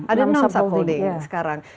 ada enam subholding sekarang